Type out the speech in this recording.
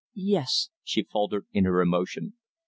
"Yes," she faltered in her emotion.